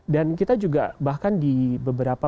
dan kita juga bahkan di beberapa